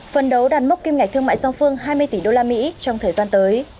phần đấu đàn mốc kim ngạch thương mại song phương hai mươi tỷ usd trong thời gian tới